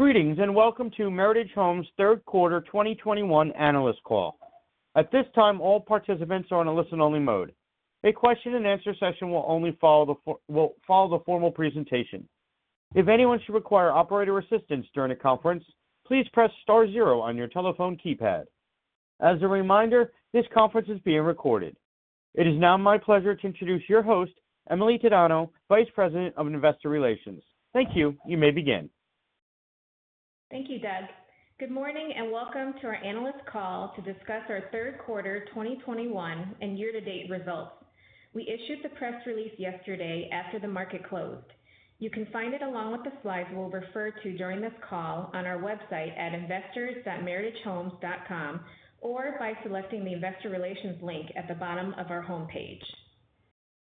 Greetings, and welcome to Meritage Homes' third quarter 2021 analyst call. At this time, all participants are on a listen-only mode. A question and answer session will follow the formal presentation. If anyone should require operator assistance during the conference, please press star zero on your telephone keypad. As a reminder, this conference is being recorded. It is now my pleasure to introduce your host, Emily Tadano, Vice President of Investor Relations. Thank you. You may begin. Thank you, Doug. Good morning, and welcome to our analyst call to discuss our third quarter 2021 and year-to-date results. We issued the press release yesterday after the market closed. You can find it along with the slides we'll refer to during this call on our website at investors.meritagehomes.com or by selecting the Investor Relations link at the bottom of our homepage.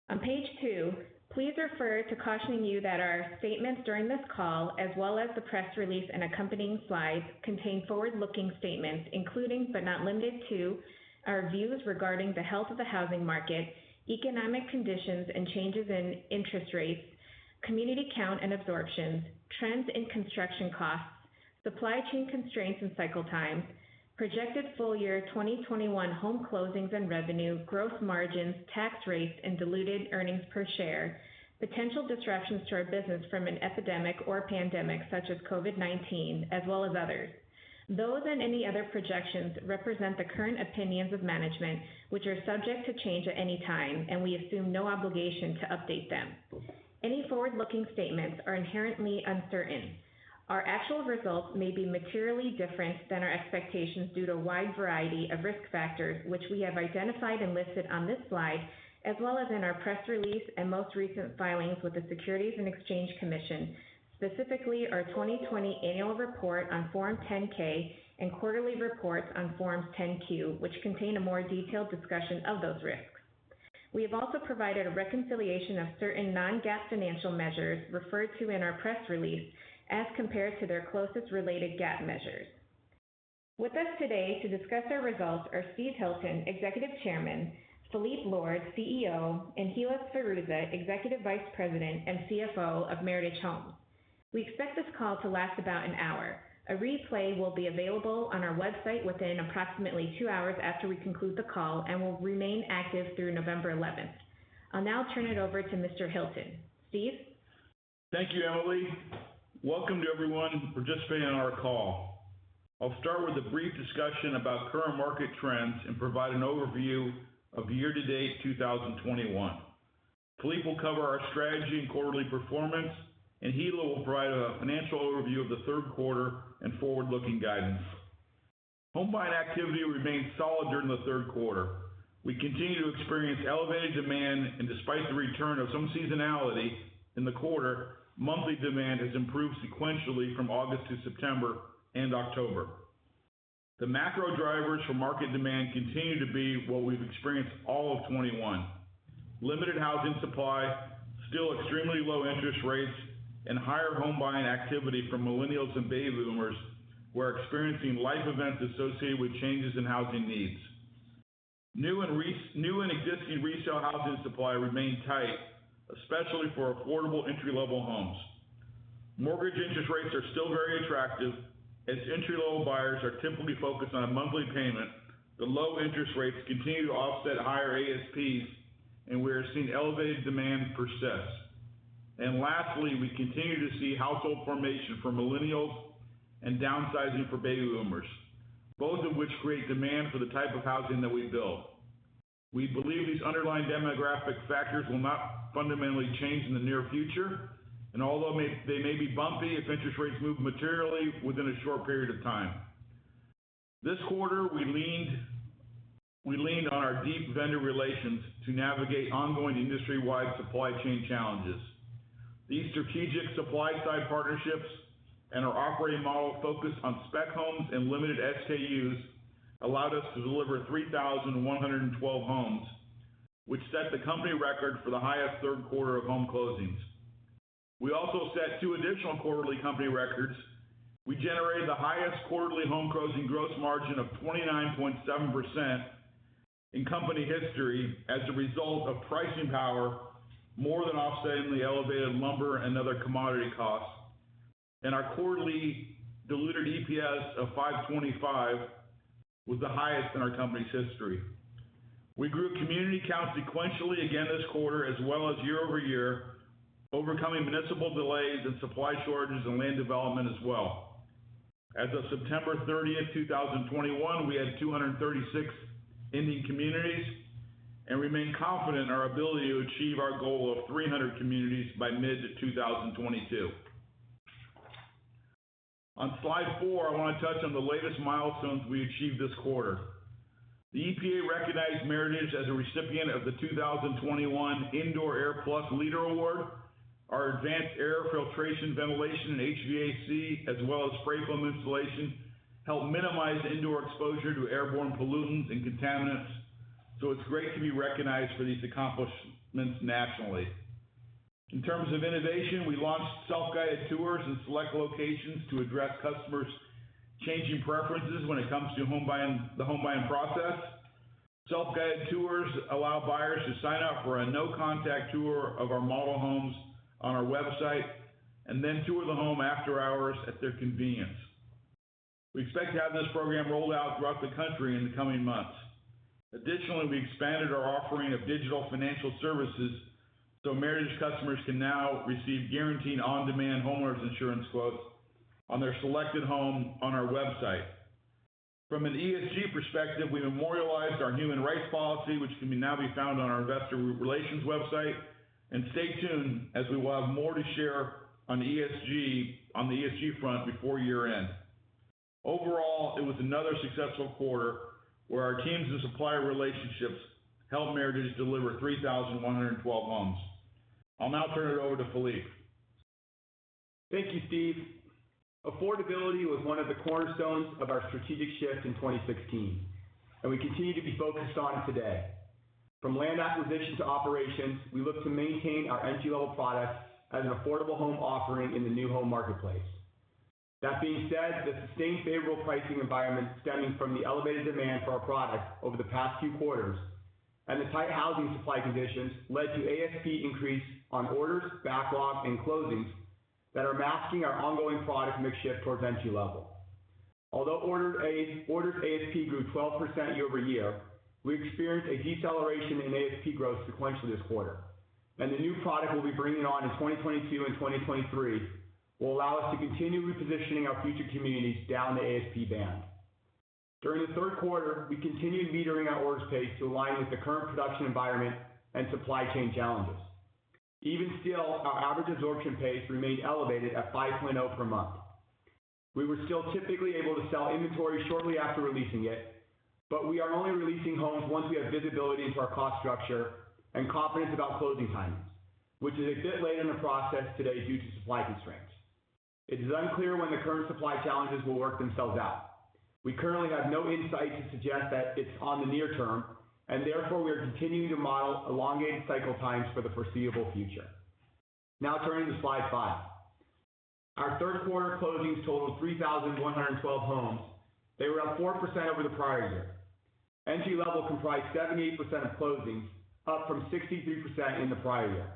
On page two, please refer to cautioning you that our statements during this call, as well as the press release and accompanying slides, contain forward-looking statements, including but not limited to our views regarding the health of the housing market, economic conditions and changes in interest rates, community count and absorptions, trends in construction costs, supply chain constraints and cycle times, projected full year 2021 home closings and revenue, gross margins, tax rates, and diluted earnings per share, potential disruptions to our business from an epidemic or pandemic such as COVID-19, as well as others. Those and any other projections represent the current opinions of management, which are subject to change at any time, and we assume no obligation to update them. Any forward-looking statements are inherently uncertain. Our actual results may be materially different than our expectations due to a wide variety of risk factors, which we have identified and listed on this slide, as well as in our press release and most recent filings with the Securities and Exchange Commission, specifically our 2020 annual report on Form 10-K and quarterly reports on Forms 10-Q, which contain a more detailed discussion of those risks. We have also provided a reconciliation of certain non-GAAP financial measures referred to in our press release as compared to their closest related GAAP measures. With us today to discuss our results are Steve Hilton, Executive Chairman, Philippe Lord, CEO, and Hilla Sferruzza, Executive Vice President and CFO of Meritage Homes. We expect this call to last about an hour. A replay will be available on our website within approximately two hours after we conclude the call and will remain active through November 11th. I'll now turn it over to Mr. Hilton. Steve? Thank you, Emily. Welcome to everyone participating on our call. I'll start with a brief discussion about current market trends and provide an overview of year-to-date 2021. Philippe will cover our strategy and quarterly performance, and Hilla will provide a financial overview of the third quarter and forward-looking guidance. Home buying activity remained solid during the third quarter. We continue to experience elevated demand, and despite the return of some seasonality in the quarter, monthly demand has improved sequentially from August to September and October. The macro drivers for market demand continue to be what we've experienced all of 2021. Limited housing supply, still extremely low interest rates, and higher home buying activity from millennials and baby boomers who are experiencing life events associated with changes in housing needs. New and existing resale housing supply remain tight, especially for affordable entry-level homes. Mortgage interest rates are still very attractive. As entry-level buyers are typically focused on a monthly payment, the low interest rates continue to offset higher ASPs, and we are seeing elevated demand persist. Lastly, we continue to see household formation for millennials and downsizing for baby boomers, both of which create demand for the type of housing that we build. We believe these underlying demographic factors will not fundamentally change in the near future and although they may, they may be bumpy if interest rates move materially within a short period of time. This quarter, we leaned on our deep vendor relations to navigate ongoing industry-wide supply chain challenges. These strategic supply-side partnerships and our operating model focused on spec homes and limited SKUs allowed us to deliver 3,112 homes, which set the company record for the highest third quarter of home closings. We also set two additional quarterly company records. We generated the highest quarterly home closing gross margin of 29.7% in company history as a result of pricing power more than offsetting the elevated lumber and other commodity costs. Our quarterly diluted EPS of 5.25 was the highest in our company's history. We grew community count sequentially again this quarter as well as year over year, overcoming municipal delays and supply shortages and land development as well. As of September 30, 2021, we had 236 ending communities and remain confident in our ability to achieve our goal of 300 communities by mid to 2022. On slide four, I wanna touch on the latest milestones we achieved this quarter. The EPA recognized Meritage as a recipient of the 2021 Indoor Air Plus Leader Award. Our advanced air filtration, ventilation, and HVAC, as well as spray foam insulation, help minimize indoor exposure to airborne pollutants and contaminants, so it's great to be recognized for these accomplishments nationally. In terms of innovation, we launched self-guided tours in select locations to address customers' changing preferences when it comes to home buying, the home buying process. Self-guided tours allow buyers to sign up for a no-contact tour of our model homes on our website, and then tour the home after hours at their convenience. We expect to have this program rolled out throughout the country in the coming months. Additionally, we expanded our offering of digital financial services so Meritage customers can now receive guaranteed on-demand homeowners insurance quotes on their selected home on our website. From an ESG perspective, we memorialized our human rights policy, which can now be found on our investor relations website. Stay tuned as we will have more to share on the ESG front before year-end. Overall, it was another successful quarter where our teams and supplier relationships helped Meritage deliver 3,112 homes. I'll now turn it over to Philippe. Thank you, Steve. Affordability was one of the cornerstones of our strategic shift in 2016, and we continue to be focused on it today. From land acquisition to operations, we look to maintain our entry-level products as an affordable home offering in the new home marketplace. That being said, the sustained favorable pricing environment stemming from the elevated demand for our product over the past few quarters and the tight housing supply conditions led to ASP increase on orders, backlog and closings that are masking our ongoing product mix shift towards entry level. Although ordered ASP grew 12% year-over-year, we experienced a deceleration in ASP growth sequentially this quarter, and the new product we'll be bringing on in 2022 and 2023 will allow us to continue repositioning our future communities down the ASP band. During the third quarter, we continued metering our orders pace to align with the current production environment and supply chain challenges. Even still, our average absorption pace remained elevated at 5.0 per month. We were still typically able to sell inventory shortly after releasing it, but we are only releasing homes once we have visibility into our cost structure and confidence about closing timings, which is a bit later in the process today due to supply constraints. It is unclear when the current supply challenges will work themselves out. We currently have no insight to suggest that it's in the near term, and therefore we are continuing to model elongated cycle times for the foreseeable future. Now turning to slide five. Our third quarter closings totaled 3,112 homes. They were up 4% over the prior year. Entry level comprised 78% of closings, up from 63% in the prior year.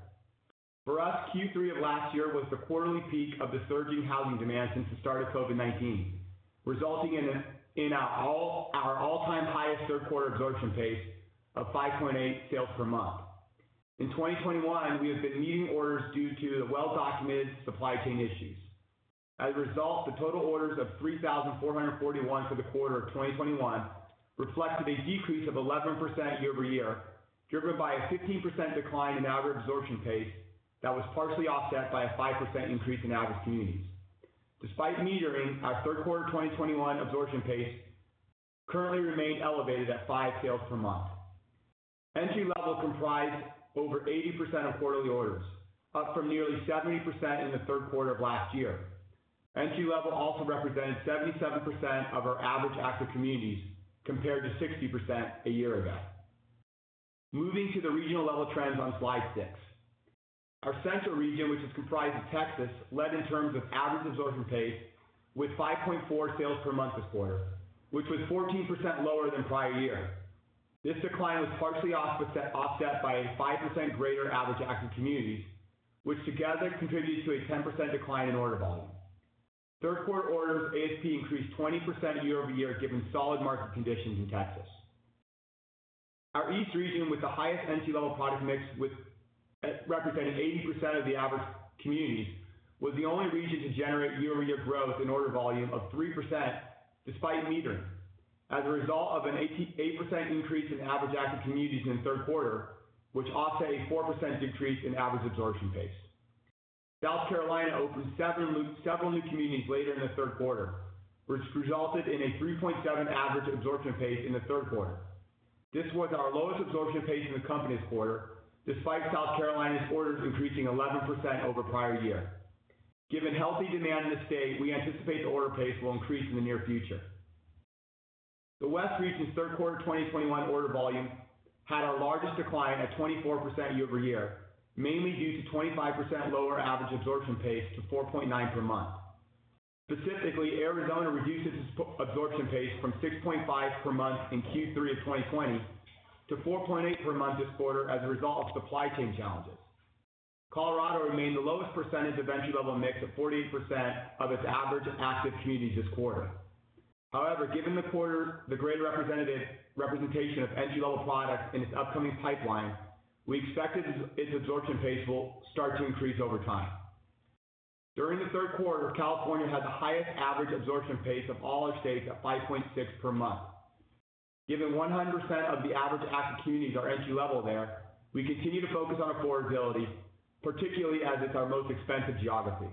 For us, Q3 of last year was the quarterly peak of the surging housing demand since the start of COVID-19, resulting in our all-time highest third quarter absorption pace of 5.8 sales per month. In 2021, we have been meeting orders due to the well-documented supply chain issues. As a result, the total orders of 3,441 for the quarter of 2021 reflected a decrease of 11% year-over-year, driven by a 15% decline in average absorption pace that was partially offset by a 5% increase in average communities. Despite moderating, our third quarter 2021 absorption pace currently remained elevated at five sales per month. Entry level comprised over 80% of quarterly orders, up from nearly 70% in the third quarter of last year. Entry level also represented 77% of our average active communities, compared to 60% a year ago. Moving to the regional level trends on slide six. Our central region, which is comprised of Texas, led in terms of average absorption pace with 5.4 sales per month this quarter, which was 14% lower than prior year. This decline was partially offset by a 5% greater average active communities, which together contributes to a 10% decline in order volume. Third quarter orders ASP increased 20% year-over-year, given solid market conditions in Texas. Our East Region, with the highest entry-level product mix representing 80% of the average communities, was the only region to generate year-over-year growth in order volume of 3% despite metering as a result of an 88% increase in average active communities in the third quarter, which offset a 4% decrease in average absorption pace. South Carolina opened several new communities later in the third quarter, which resulted in a 3.7 average absorption pace in the third quarter. This was our lowest absorption pace in the company's quarter, despite South Carolina's orders increasing 11% over prior year. Given healthy demand in the state, we anticipate the order pace will increase in the near future. The West Region's Q3 2021 order volume had our largest decline at 24% year-over-year, mainly due to 25% lower average absorption pace to 4.9 per month. Specifically, Arizona reduced its absorption pace from 6.5 per month in Q3 of 2020 to 4.8 per month this quarter as a result of supply chain challenges. Colorado remained the lowest percentage of entry-level mix at 48% of its average active communities this quarter. However, given the greater representation of entry-level products in its upcoming pipeline, we expect its absorption pace will start to increase over time. During the third quarter, California had the highest average absorption pace of all our states at 5.6 per month. Given 100% of the average active communities are entry level there, we continue to focus on affordability, particularly as it's our most expensive geography.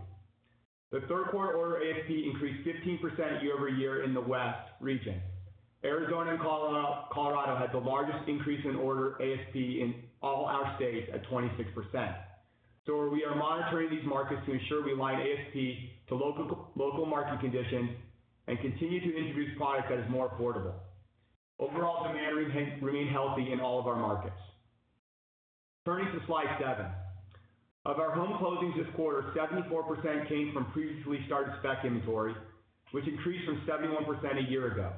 The third quarter order ASP increased 15% year-over-year in the West region. Arizona and Colorado had the largest increase in order ASP in all our states at 26%. We are monitoring these markets to ensure we align ASP to local market conditions and continue to introduce product that is more affordable. Overall, demand remains healthy in all of our markets. Turning to slide seven. Of our home closings this quarter, 74% came from previously started spec inventory, which increased from 71% a year ago.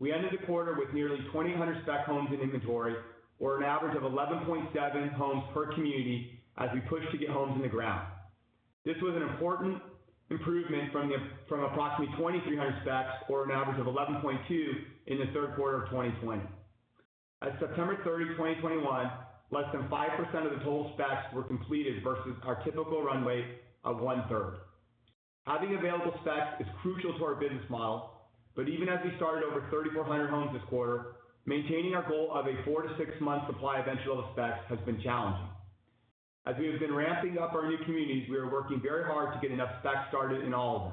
We ended the quarter with nearly 2,000 spec homes in inventory or an average of 11.7 homes per community as we push to get homes in the ground. This was an important improvement from approximately 2,300 specs or an average of 11.2 in the third quarter of 2020. As of September 30, 2021, less than 5% of the total specs were completed versus our typical runway of one-third. Having available specs is crucial to our business model. Even as we started over 3,400 homes this quarter, maintaining our goal of a 4- to 6-month supply of entry-level specs has been challenging. As we have been ramping up our new communities, we are working very hard to get enough specs started in all of them.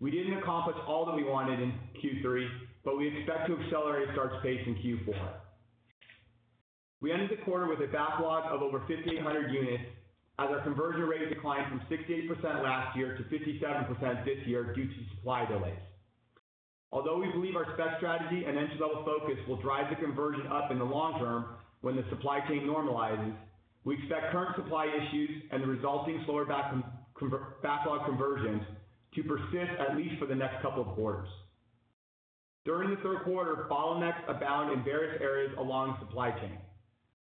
We didn't accomplish all that we wanted in Q3, but we expect to accelerate start space in Q4. We ended the quarter with a backlog of over 5,800 units as our conversion rate declined from 68% last year to 57% this year due to supply delays. Although we believe our spec strategy and entry-level focus will drive the conversion up in the long term when the supply chain normalizes, we expect current supply issues and the resulting slower backlog conversions to persist at least for the next couple of quarters. During the third quarter, bottlenecks abound in various areas along the supply chain,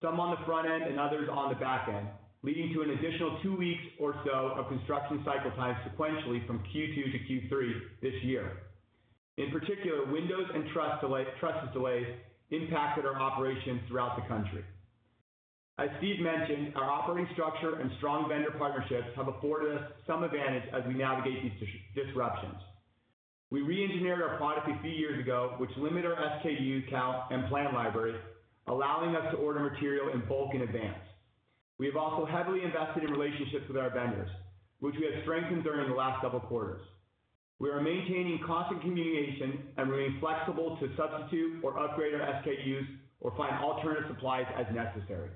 some on the front end and others on the back end, leading to an additional two weeks or so of construction cycle time sequentially from Q2 to Q3 this year. In particular, windows and trusses delays impacted our operations throughout the country. As Steve mentioned, our operating structure and strong vendor partnerships have afforded us some advantage as we navigate these disruptions. We re-engineered our product a few years ago, which limit our SKU count and plan library, allowing us to order material in bulk in advance. We have also heavily invested in relationships with our vendors, which we have strengthened during the last couple quarters. We are maintaining constant communication and remain flexible to substitute or upgrade our SKUs or find alternative supplies as necessary.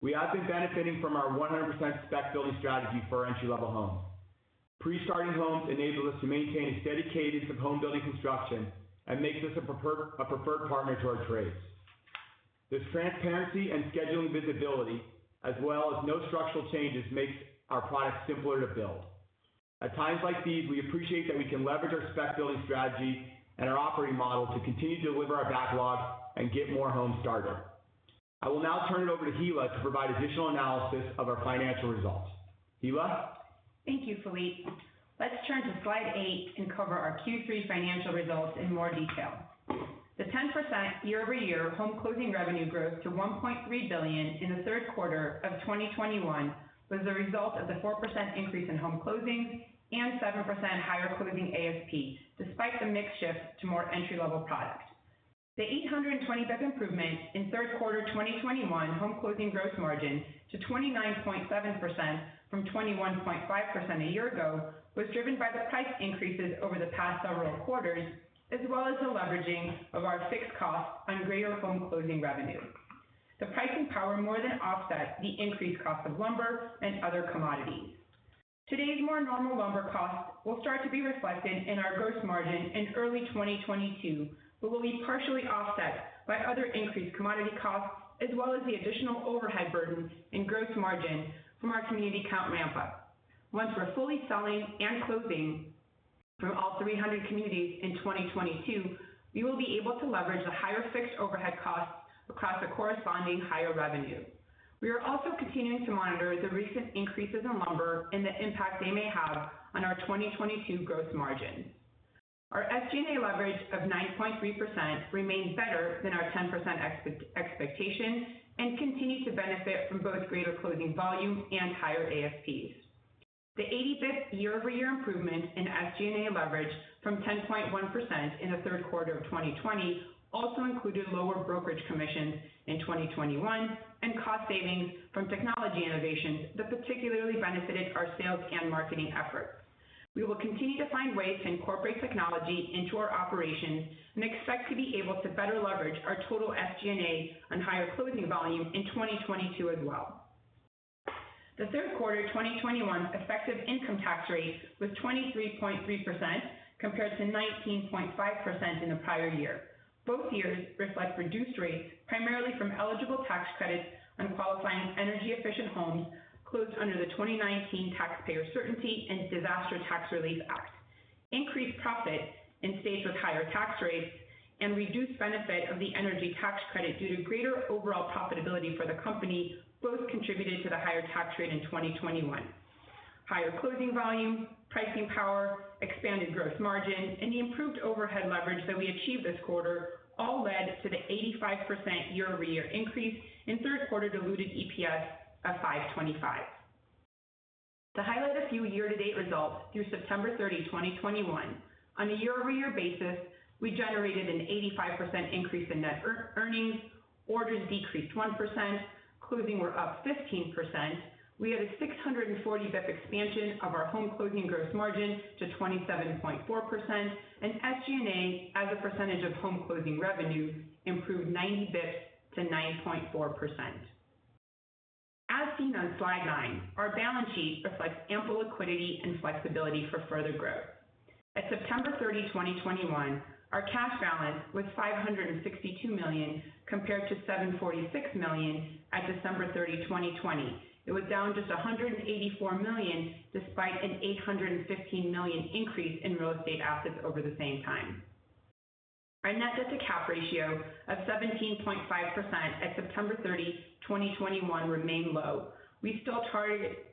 We have been benefiting from our 100% spec building strategy for our entry-level homes. Pre-starting homes enable us to maintain a steady cadence of homebuilding construction and makes us a preferred partner to our trades. The transparency and scheduling visibility as well as no structural changes makes our products simpler to build. At times like these, we appreciate that we can leverage our spec building strategy and our operating model to continue to deliver our backlog and get more homes started. I will now turn it over to Hilla to provide additional analysis of our financial results. Hilla. Thank you, Philippe. Let's turn to slide eight and cover our Q3 financial results in more detail. The 10% year-over-year home closing revenue growth to $1.3 billion in the third quarter of 2021 was the result of the 4% increase in home closings and 7% higher closing ASP despite the mix shift to more entry-level product. The 820 bps improvement in third quarter 2021 home closing gross margin to 29.7% from 21.5% a year ago was driven by the price increases over the past several quarters, as well as the leveraging of our fixed costs on greater home closing revenue. The pricing power more than offset the increased cost of lumber and other commodities. Today's more normal lumber costs will start to be reflected in our gross margin in early 2022, but will be partially offset by other increased commodity costs as well as the additional overhead burdens in gross margin from our community count ramp up. Once we're fully selling and closing from all 300 communities in 2022, we will be able to leverage the higher fixed overhead costs across a corresponding higher revenue. We are also continuing to monitor the recent increases in lumber and the impact they may have on our 2022 gross margin. Our SG&A leverage of 9.3% remains better than our 10% expectation and continue to benefit from both greater closing volume and higher ASPs. The 80 basis points year-over-year improvement in SG&A leverage from 10.1% in the third quarter of 2020 also included lower brokerage commissions in 2021 and cost savings from technology innovations that particularly benefited our sales and marketing efforts. We will continue to find ways to incorporate technology into our operations and expect to be able to better leverage our total SG&A on higher closing volume in 2022 as well. The third quarter 2021 effective income tax rate was 23.3% compared to 19.5% in the prior year. Both years reflect reduced rates, primarily from eligible tax credits on qualifying energy efficient homes closed under the 2019 Taxpayer Certainty and Disaster Tax Relief Act. Increased profit in states with higher tax rates and reduced benefit of the energy tax credit due to greater overall profitability for the company both contributed to the higher tax rate in 2021. Higher closing volume, pricing power, expanded gross margin, and the improved overhead leverage that we achieved this quarter all led to the 85% year-over-year increase in third quarter diluted EPS of $5.25. To highlight a few year-to-date results through September 30, 2021. On a year-over-year basis, we generated an 85% increase in net earnings. Orders decreased 1%. Closings were up 15%. We had a 640 bps expansion of our home closing gross margin to 27.4%, and SG&A as a percentage of home closing revenue improved 90 bps to 9.4%. As seen on slide nine, our balance sheet reflects ample liquidity and flexibility for further growth. At September 30, 2021, our cash balance was $562 million compared to $746 million at December 30, 2020. It was down just a $184 million despite an $815 million increase in real estate assets over the same time. Our net debt to cap ratio of 17.5% at September 30, 2021 remain low. We still target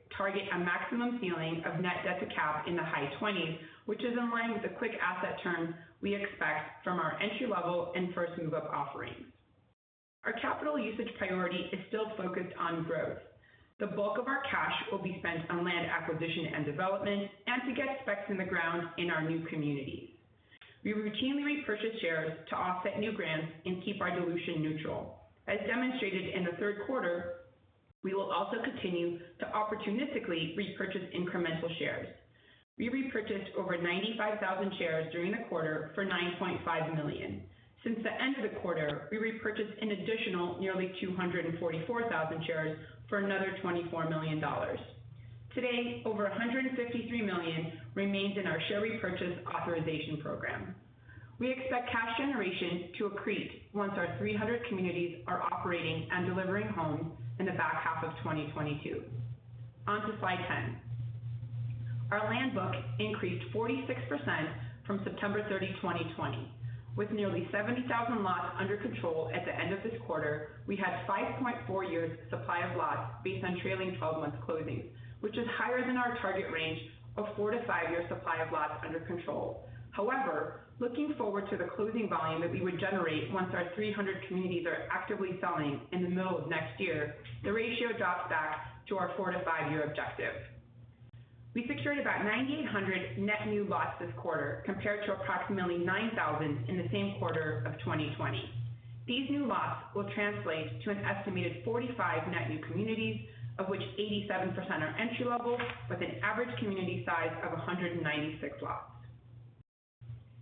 a maximum ceiling of net debt to cap in the high twenties, which is in line with the quick asset turn we expect from our entry-level and first move-up offerings. Our capital usage priority is still focused on growth. The bulk of our cash will be spent on land acquisition and development and to get specs in the ground in our new communities. We routinely repurchase shares to offset new grants and keep our dilution neutral. As demonstrated in the third quarter, we will also continue to opportunistically repurchase incremental shares. We repurchased over 95,000 shares during the quarter for $9.5 million. Since the end of the quarter, we repurchased an additional nearly 244,000 shares for another $24 million. Today, over $153 million remains in our share repurchase authorization program. We expect cash generation to accrete once our 300 communities are operating and delivering homes in the back half of 2022. On to slide 10. Our land book increased 46% from September 30, 2020. With nearly 70,000 lots under control at the end of this quarter, we had 5.4 years supply of lots based on trailing twelve months closings, which is higher than our target range of four years-five years supply of lots under control. However, looking forward to the closing volume that we would generate once our 300 communities are actively selling in the middle of next year, the ratio drops back to our four years-five year objective. We secured about 9,800 net new lots this quarter, compared to approximately 9,000 in the same quarter of 2020. These new lots will translate to an estimated 45 net new communities, of which 87% are entry-level with an average community size of 196 lots.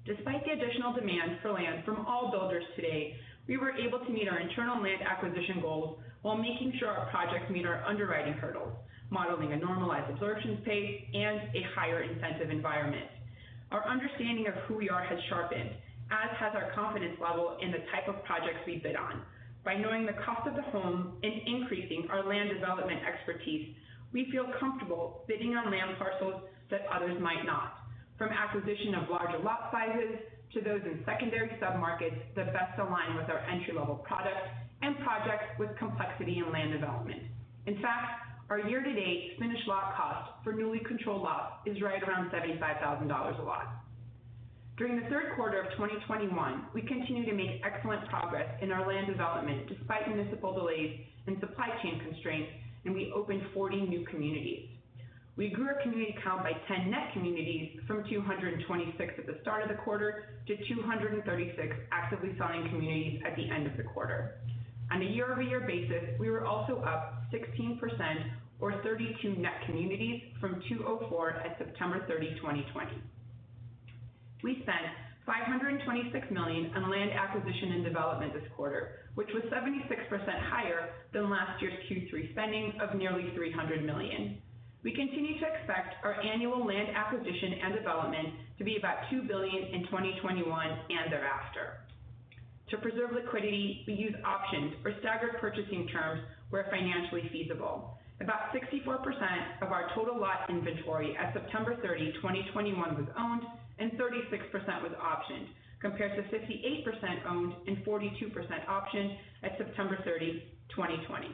Despite the additional demand for land from all builders today, we were able to meet our internal land acquisition goals while making sure our projects meet our underwriting hurdles, modeling a normalized absorption pace and a higher incentive environment. Our understanding of who we are has sharpened, as has our confidence level in the type of projects we bid on. By knowing the cost of the home and increasing our land development expertise, we feel comfortable bidding on land parcels that others might not. From acquisition of larger lot sizes to those in secondary submarkets that best align with our entry-level products and projects with complexity in land development. In fact, our year-to-date finished lot cost for newly controlled lots is right around $75,000 a lot. During the third quarter of 2021, we continued to make excellent progress in our land development despite municipal delays and supply chain constraints, and we opened 40 new communities. We grew our community count by 10 net communities from 226 at the start of the quarter to 236 actively selling communities at the end of the quarter. On a year-over-year basis, we were also up 16% or 32 net communities from 204 at September 30, 2020. We spent $526 million on land acquisition and development this quarter, which was 76% higher than last year's Q3 spending of nearly $300 million. We continue to expect our annual land acquisition and development to be about $2 billion in 2021 and thereafter. To preserve liquidity, we use options or staggered purchasing terms where financially feasible. About 64% of our total lot inventory at September 30, 2021 was owned and 36% was optioned, compared to 58% owned and 42% optioned at September 30, 2020.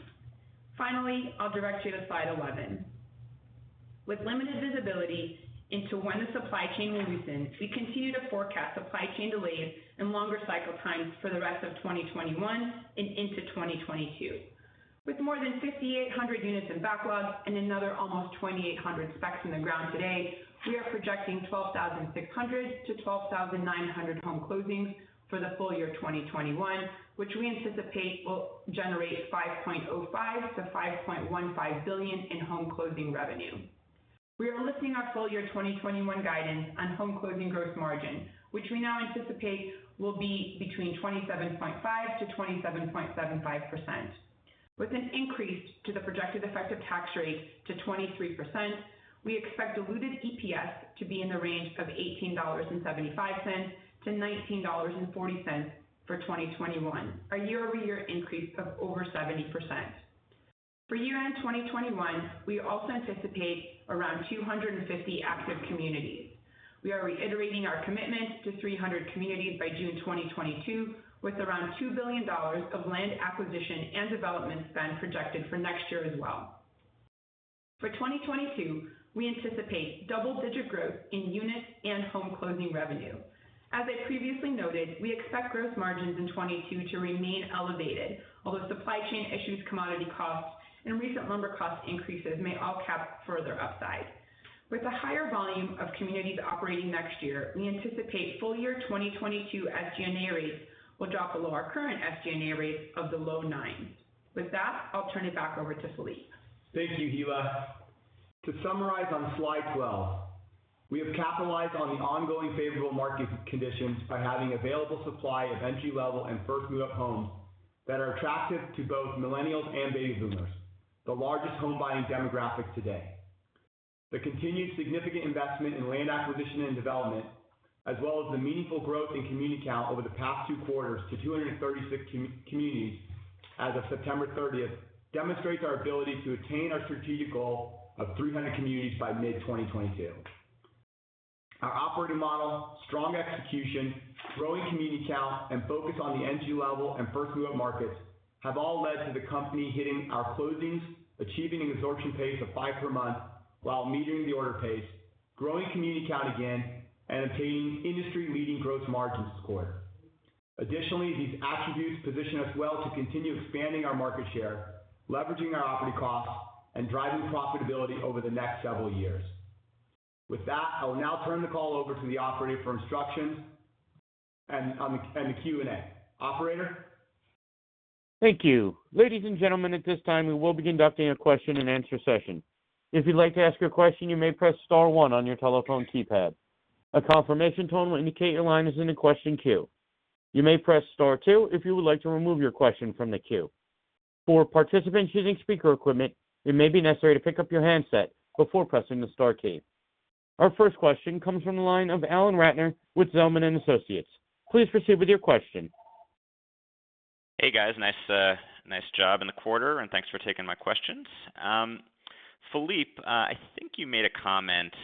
Finally, I'll direct you to slide 11. With limited visibility into when the supply chain will loosen, we continue to forecast supply chain delays and longer cycle times for the rest of 2021 and into 2022. With more than 5,800 units in backlog and another almost 2,800 specs in the ground today, we are projecting 12,600-12,900 home closings for the full year 2021, which we anticipate will generate $5.05 billion-$5.15 billion in home closing revenue. We are lifting our full year 2021 guidance on home closing gross margin, which we now anticipate will be between 27.5%-27.75%. With an increase to the projected effective tax rate to 23%, we expect diluted EPS to be in the range of $18.75-$19.40 for 2021, a year-over-year increase of over 70%. For year-end 2021, we also anticipate around 250 active communities. We are reiterating our commitment to 300 communities by June 2022, with around $2 billion of land acquisition and development spend projected for next year as well. For 2022, we anticipate double-digit growth in units and home closing revenue. As I previously noted, we expect gross margins in 2022 to remain elevated, although supply chain issues, commodity costs, and recent lumber cost increases may all cap further upside. With a higher volume of communities operating next year, we anticipate full year 2022 SG&A rates will drop below our current SG&A rates of the low nines. With that, I'll turn it back over to Philippe. Thank you, Hilla. To summarize on slide 12, we have capitalized on the ongoing favorable market conditions by having available supply of entry-level and first move-up homes that are attractive to both millennials and baby boomers, the largest home buying demographic today. The continued significant investment in land acquisition and development, as well as the meaningful growth in community count over the past two quarters to 236 communities as of September 30, demonstrates our ability to attain our strategic goal of 300 communities by mid-2022. Our operating model, strong execution, growing community count, and focus on the entry-level and first move-up markets have all led to the company hitting our closings, achieving an absorption pace of five per month while meeting the order pace, growing community count again, and obtaining industry-leading gross margins this quarter. Additionally, these attributes position us well to continue expanding our market share, leveraging our operating costs, and driving profitability over the next several years. With that, I will now turn the call over to the operator for instructions and the Q&A. Operator? Thank you. Ladies and gentlemen, at this time, we will be conducting a question-and-answer session. If you'd like to ask your question, you may press star one on your telephone keypad. A confirmation tone will indicate your line is in the question queue. You may press star two if you would like to remove your question from the queue. For participants using speaker equipment, it may be necessary to pick up your handset before pressing the star key. Our first question comes from the line of Alan Ratner with Zelman & Associates. Please proceed with your question. Hey, guys. Nice job in the quarter, and thanks for taking my questions. Philippe, I think you made a comment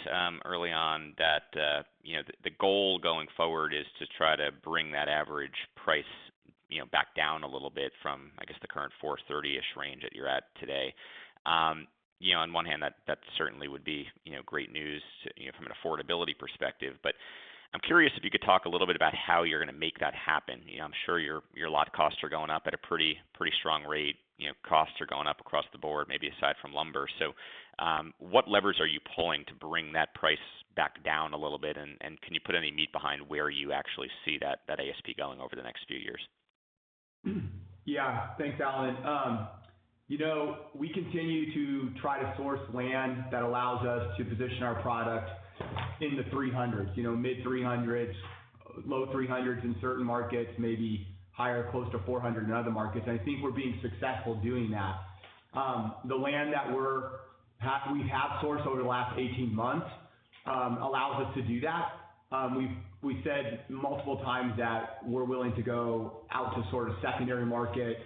early on that you know, the goal going forward is to try to bring that average price, you know, back down a little bit from, I guess, the current $430,000-ish range that you're at today. You know, on one hand that certainly would be, you know, great news, you know, from an affordability perspective. But I'm curious if you could talk a little bit about how you're gonna make that happen. You know, I'm sure your lot costs are going up at a pretty strong rate. You know, costs are going up across the board, maybe aside from lumber. What levers are you pulling to bring that price back down a little bit? Can you put any meat behind where you actually see that ASP going over the next few years? Yeah. Thanks, Alan. You know, we continue to try to source land that allows us to position our product in the 300s, you know, mid-300s, low 300s in certain markets, maybe higher, close to 400 in other markets, and I think we're being successful doing that. The land that we have sourced over the last 18 months allows us to do that. We've said multiple times that we're willing to go out to sort of secondary market.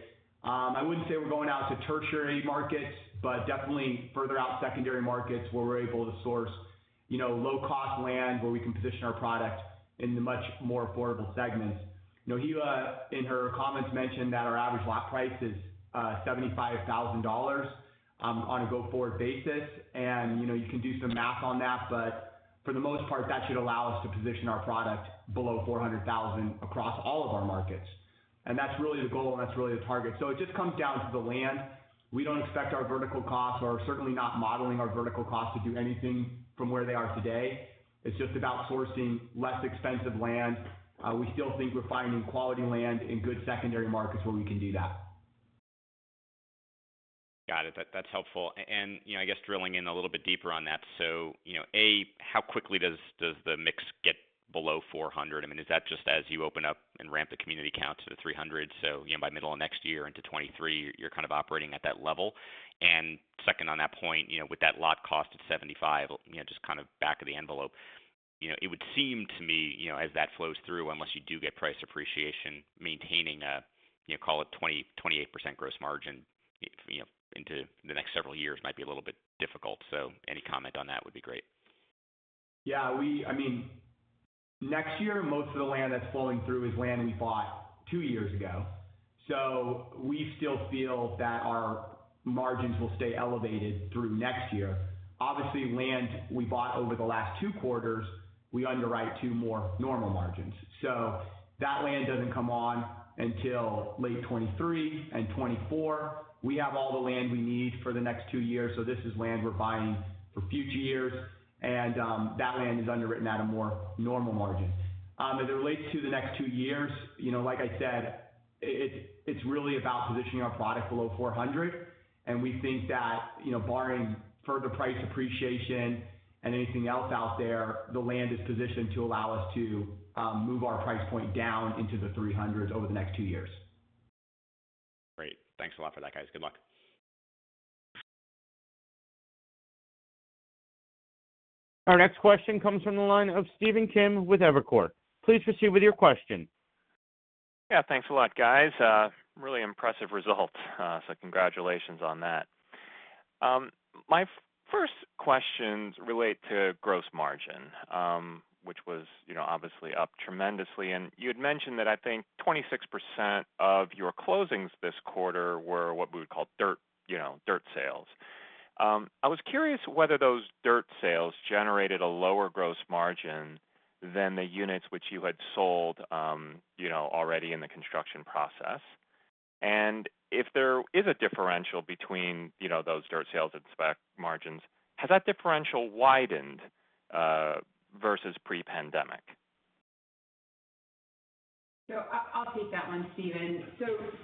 I wouldn't say we're going out to tertiary markets, but definitely further out secondary markets where we're able to source, you know, low cost land where we can position our product into much more affordable segments. You know, Hilla, in her comments, mentioned that our average lot price is $75,000 on a go-forward basis. You know, you can do some math on that, but for the most part, that should allow us to position our product below $400,000 across all of our markets. That's really the goal, and that's really the target. It just comes down to the land. We don't expect our vertical costs, or are certainly not modeling our vertical costs, to do anything from where they are today. It's just about sourcing less expensive land. We still think we're finding quality land in good secondary markets where we can do that. Got it. That's helpful. You know, I guess drilling in a little bit deeper on that. You know, how quickly does the mix get below 400? I mean, is that just as you open up and ramp the community count to the 300, you know, by middle of next year into 2023 you're kind of operating at that level? Second on that point, you know, with that lot cost at $75, you know, just kind of back of the envelope, you know, it would seem to me, you know, as that flows through, unless you do get price appreciation, maintaining a, you know, call it 20%-28% gross margin, you know, into the next several years might be a little bit difficult. Any comment on that would be great. Yeah. I mean, next year, most of the land that's flowing through is land we bought two years ago. We still feel that our margins will stay elevated through next year. Obviously, land we bought over the last two quarters, we underwrite to more normal margins. That land doesn't come on until late 2023 and 2024. We have all the land we need for the next two years, so this is land we're buying for future years. That land is underwritten at a more normal margin. As it relates to the next two years, you know, like I said, it's really about positioning our product below $400. We think that, you know, barring further price appreciation and anything else out there, the land is positioned to allow us to move our price point down into the 300s over the next two years. Great. Thanks a lot for that, guys. Good luck. Our next question comes from the line of Stephen Kim with Evercore. Please proceed with your question. Yeah. Thanks a lot, guys. Really impressive results, so congratulations on that. My first questions relate to gross margin, which was, you know, obviously up tremendously. You had mentioned that, I think, 26% of your closings this quarter were what we would call dirt, you know, dirt sales. I was curious whether those dirt sales generated a lower gross margin than the units which you had sold, you know, already in the construction process. If there is a differential between, you know, those dirt sales and spec margins, has that differential widened, versus pre-pandemic? I'll take that one, Steve.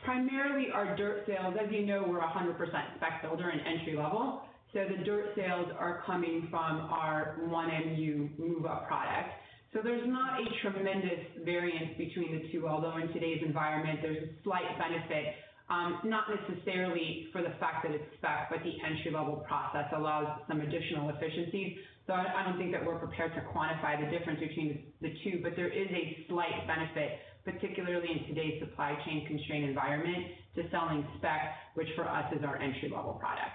Primarily our dirt sales, as you know, we're 100% spec builder and entry-level. The dirt sales are coming from our first move-up product. There's not a tremendous variance between the two, although in today's environment, there's a slight benefit, not necessarily for the fact that it's spec, but the entry-level process allows some additional efficiencies. I don't think that we're prepared to quantify the difference between the two, but there is a slight benefit, particularly in today's supply chain constrained environment to selling spec, which for us is our entry-level product.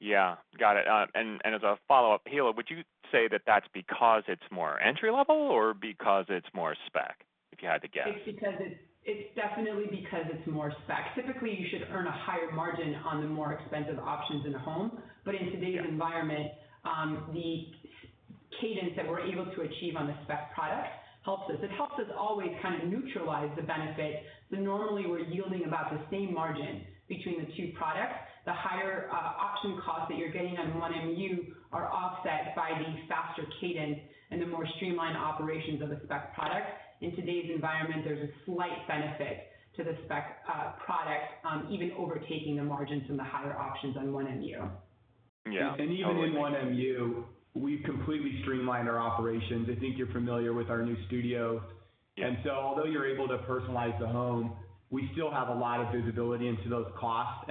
Yeah. Got it. As a follow-up, Hilla, would you say that that's because it's more entry level or because it's more spec, if you had to guess? It's definitely because it's more spec. Typically, you should earn a higher margin on the more expensive options in a home. In today's environment, the spec cadence that we're able to achieve on the spec product helps us. It helps us always kind of neutralize the benefit that normally we're yielding about the same margin between the two products. The higher option costs that you're getting on first move-up are offset by the faster cadence and the more streamlined operations of the spec product. In today's environment, there's a slight benefit to the spec product, even overtaking the margins from the higher options on first move-up. Yeah. Even in first move-up, we've completely streamlined our operations. I think you're familiar with our new studio. Yeah. Although you're able to personalize the home, we still have a lot of visibility into those costs.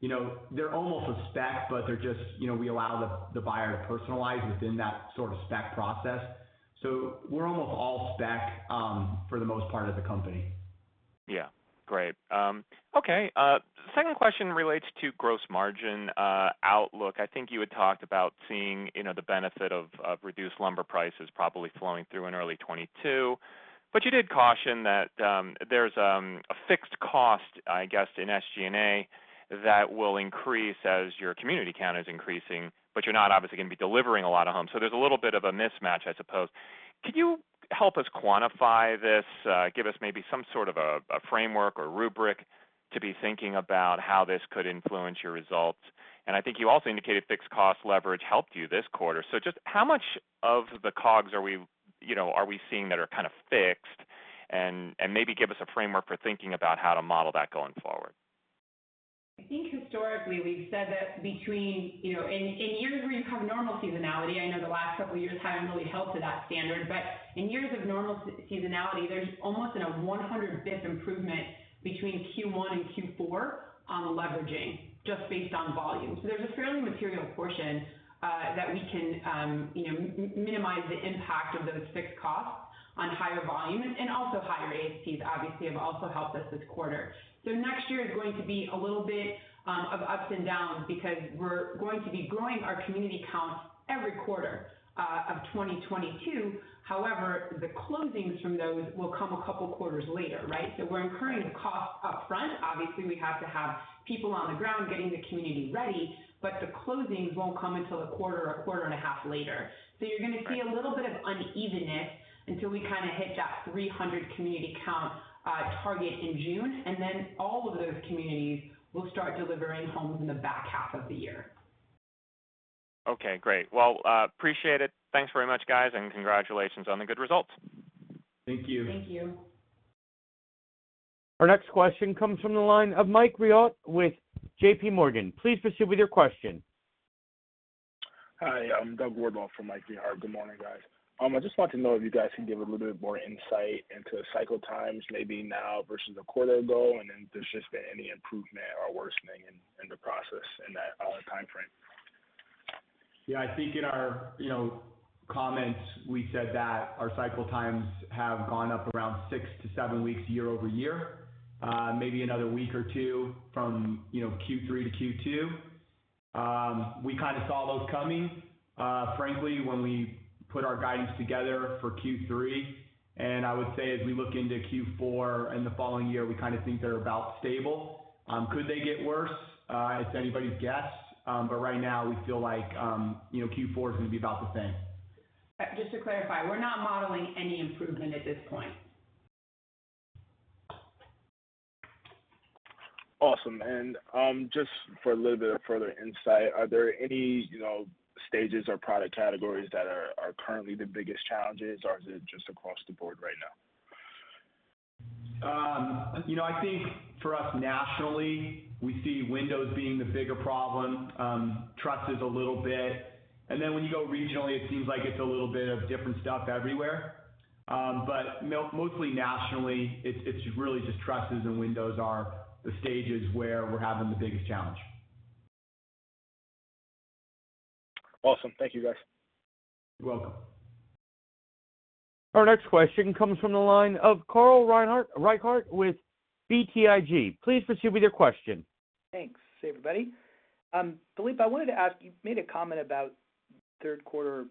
You know, they're almost a spec, but they're just, you know, we allow the buyer to personalize within that sort of spec process. We're almost all spec, for the most part of the company. Yeah. Great. Okay. Second question relates to gross margin outlook. I think you had talked about seeing, you know, the benefit of reduced lumber prices probably flowing through in early 2022. You did caution that there's a fixed cost, I guess, in SG&A that will increase as your community count is increasing, but you're not obviously gonna be delivering a lot of homes. There's a little bit of a mismatch, I suppose. Can you help us quantify this, give us maybe some sort of a framework or rubric to be thinking about how this could influence your results? I think you also indicated fixed cost leverage helped you this quarter. Just how much of the COGS are we, you know, are we seeing that are kind of fixed? Maybe give us a framework for thinking about how to model that going forward. I think historically we've said that between, you know, in years where you have normal seasonality, I know the last couple of years haven't really held to that standard, but in years of normal seasonality, there's almost a 100 bps improvement between Q1 and Q4 on the leveraging just based on volume. There's a fairly material portion that we can, you know, minimize the impact of those fixed costs on higher volume and also higher ASPs obviously have also helped us this quarter. Next year is going to be a little bit of ups and downs because we're going to be growing our community count every quarter of 2022. However, the closings from those will come a couple quarters later, right? We're incurring the cost up front. Obviously, we have to have people on the ground getting the community ready, but the closings won't come until a quarter or a quarter and a half later. You're gonna see a little bit of unevenness until we kinda hit that 300 community count target in June. Then all of those communities will start delivering homes in the back half of the year. Okay, great. Well, appreciate it. Thanks very much, guys, and congratulations on the good results. Thank you. Thank you. Our next question comes from the line of Michael Rehaut with JPMorgan. Please proceed with your question. Hi, I'm Doug Wardlaw from Michael Rehaut. Good morning, guys. I just want to know if you guys can give a little bit more insight into cycle times maybe now versus a quarter ago, and then if there's just been any improvement or worsening in the process in that timeframe. Yeah, I think in our, you know, comments, we said that our cycle times have gone up around six weeks-seven weeks year-over-year, maybe another week or two from, you know, Q3 to Q2. We kind of saw those coming, frankly, when we put our guidance together for Q3. I would say as we look into Q4 and the following year, we kind of think they're about stable. Could they get worse? It's anybody's guess. But right now, we feel like, you know, Q4 is gonna be about the same. Just to clarify, we're not modeling any improvement at this point. Awesome. Just for a little bit of further insight, are there any, you know, stages or product categories that are currently the biggest challenges, or is it just across the board right now? You know, I think for us nationally, we see windows being the bigger problem, trusses a little bit. When you go regionally, it seems like it's a little bit of different stuff everywhere. Mostly nationally, it's really just trusses and windows are the stages where we're having the biggest challenge. Awesome. Thank you, guys. You're welcome. Our next question comes from the line of Carl Reichardt with BTIG. Please proceed with your question. Thanks. Hey, everybody. Philippe, I wanted to ask, you made a comment about third quarter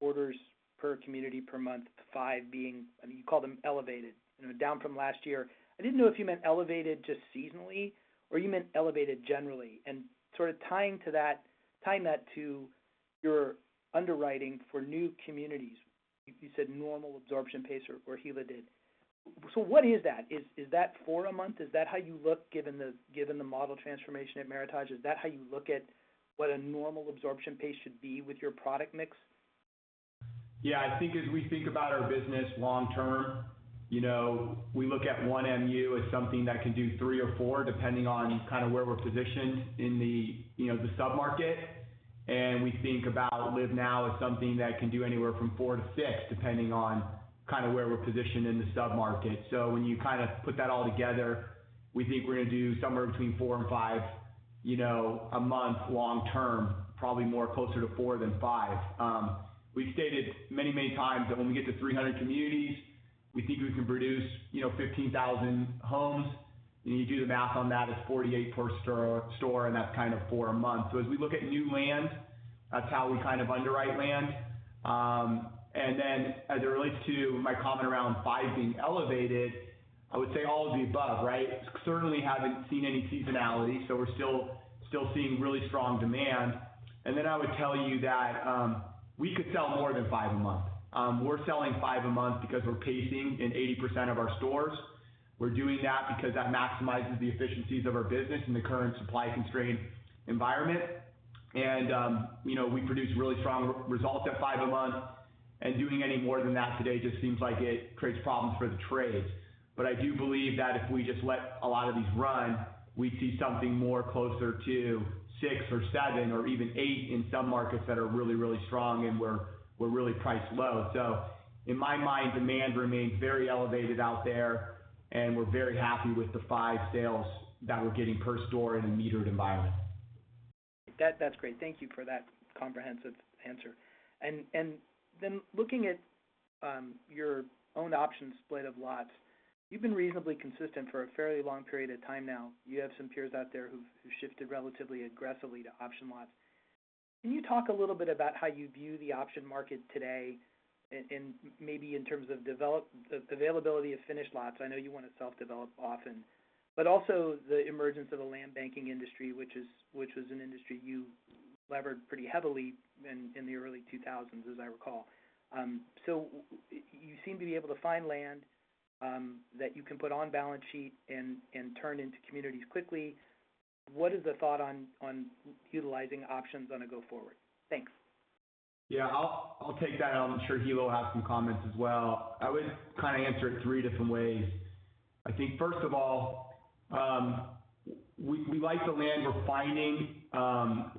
orders per community per month, five, I mean, you called them elevated, you know, down from last year. I didn't know if you meant elevated just seasonally or you meant elevated generally. Sort of tying that to your underwriting for new communities. You said normal absorption pace or Hilla did. So what is that? Is that four a month? Is that how you look given the model transformation at Meritage? Is that how you look at what a normal absorption pace should be with your product mix? Yeah, I think as we think about our business long term, you know, we look at first move-up as something that can do three or four, depending on kind of where we're positioned in the, you know, the sub-market. We think about LiVE.NOW. as something that can do anywhere from four-six, depending on kind of where we're positioned in the sub-market. When you kind of put that all together, we think we're gonna do somewhere between four and five, you know, a month long term, probably more closer to four than five. We've stated many, many times that when we get to 300 communities, we think we can produce, you know, 15,000 homes. When you do the math on that, it's 48 per store, and that's kind of four a month. As we look at new land, that's how we kind of underwrite land. As it relates to my comment around five being elevated, I would say all of the above, right? Certainly haven't seen any seasonality, so we're still seeing really strong demand. I would tell you that we could sell more than five a month. We're selling five a month because we're pacing in 80% of our stores. We're doing that because that maximizes the efficiencies of our business in the current supply constrained environment. You know, we produce really strong results at five a month. Doing any more than that today just seems like it creates problems for the trades. I do believe that if we just let a lot of these run, we'd see something more closer to six or seven or even eight in some markets that are really, really strong and we're really priced low. In my mind, demand remains very elevated out there, and we're very happy with the five sales that we're getting per store in a metered environment. That's great. Thank you for that comprehensive answer. Then looking at your own option split of lots, you've been reasonably consistent for a fairly long period of time now. You have some peers out there who've shifted relatively aggressively to option lots. Can you talk a little bit about how you view the option market today, maybe in terms of the development of the availability of finished lots? I know you want to self-develop often. Also the emergence of the land banking industry, which was an industry you levered pretty heavily in the early 2000s, as I recall. So you seem to be able to find land that you can put on balance sheet and turn into communities quickly. What is the thought on utilizing options going forward? Thanks. Yeah, I'll take that, and I'm sure Hilla will have some comments as well. I would kind of answer it three different ways. I think first of all, we like the land we're finding.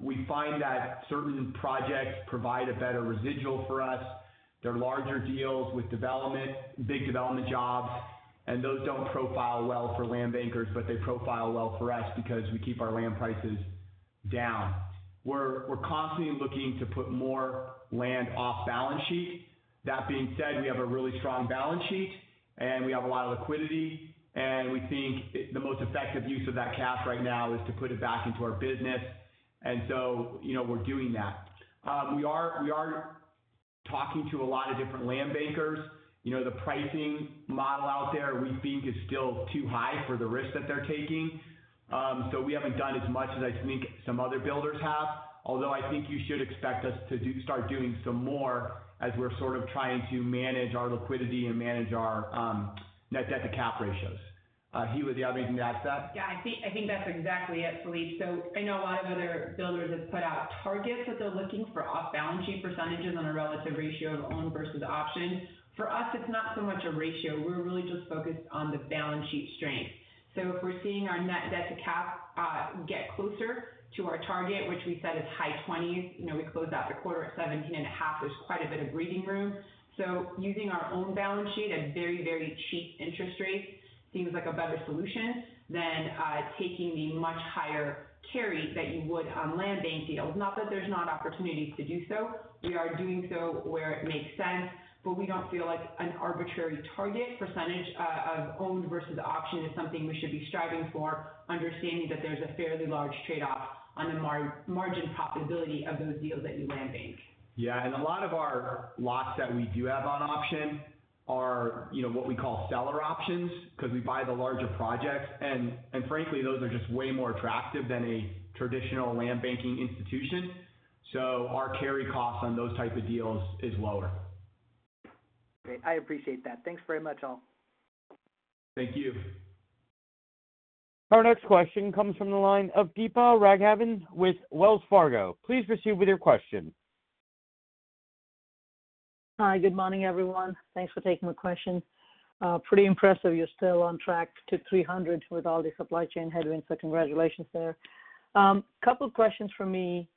We find that certain projects provide a better residual for us. They're larger deals with development, big development jobs, and those don't profile well for land bankers, but they profile well for us because we keep our land prices down. We're constantly looking to put more land off balance sheet. That being said, we have a really strong balance sheet, and we have a lot of liquidity, and we think the most effective use of that cash right now is to put it back into our business. You know, we're doing that. We are talking to a lot of different land bankers. You know, the pricing model out there we think is still too high for the risk that they're taking. We haven't done as much as I think some other builders have. Although I think you should expect us to do, start doing some more as we're sort of trying to manage our liquidity and manage our net debt to cap ratios. Hilla, do you have anything to add to that? Yeah, I think that's exactly it, Philippe. I know a lot of other builders have put out targets that they're looking for off balance sheet percentages on a relative ratio of owned versus option. For us, it's not so much a ratio. We're really just focused on the balance sheet strength. If we're seeing our net debt to cap get closer to our target, which we said is high twenties. You know, we closed out the quarter at 17.5. There's quite a bit of breathing room. Using our own balance sheet at very, very cheap interest rates seems like a better solution than taking the much higher carry that you would on land bank deals. Not that there's not opportunities to do so. We are doing so where it makes sense, but we don't feel like an arbitrary target percentage of owned versus option is something we should be striving for, understanding that there's a fairly large trade-off on the margin profitability of those deals that you land bank. Yeah, a lot of our lots that we do have on option are, you know, what we call seller options because we buy the larger projects. Frankly, those are just way more attractive than a traditional land banking institution. Our carry cost on those type of deals is lower. Great. I appreciate that. Thanks very much all. Thank you. Our next question comes from the line of Deepa Raghavan with Wells Fargo. Please proceed with your question. Hi. Good morning, everyone. Thanks for taking my question. Pretty impressive you're still on track to 300 with all the supply chain headwinds, so congratulations there. Couple questions from me.